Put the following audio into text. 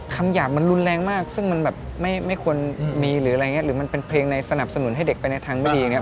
หยาบมันรุนแรงมากซึ่งมันแบบไม่ควรมีหรืออะไรอย่างนี้หรือมันเป็นเพลงในสนับสนุนให้เด็กไปในทางไม่ดีอย่างนี้